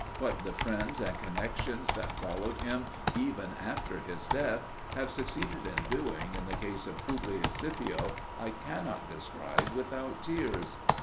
What the friends and connexions that followed him, even after his death, have succeeded in doing in the case of Publius Scipio I cannot describe without tears.